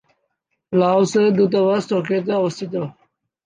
লাওসের দূতাবাস টোকিওতে অবস্থিত।